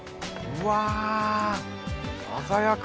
うわ！